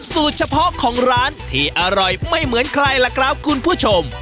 สูตรเฉพาะของร้านที่อร่อยไม่เหมือนใครล่ะครับคุณผู้ชม